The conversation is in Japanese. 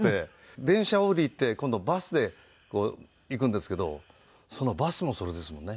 電車降りて今度バスで行くんですけどそのバスもそれですもんね。